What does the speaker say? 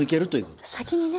先にね。